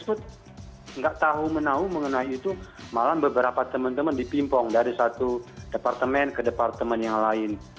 saya tidak tahu menahu mengenai itu malah beberapa teman teman dipimpong dari satu departemen ke departemen yang lain